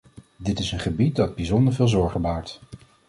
Dit is een gebied dat bijzonder veel zorgen baart.